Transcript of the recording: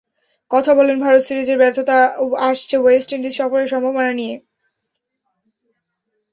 কথা বললেন ভারত সিরিজের ব্যর্থতা, আসছে ওয়েস্ট ইন্ডিজ সফরের সম্ভাবনা নিয়ে।